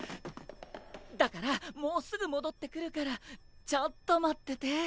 だからもうすぐ戻ってくるからちょっと待ってて。